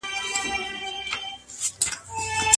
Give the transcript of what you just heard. واردات ورځ تر بلې په کميدو دي.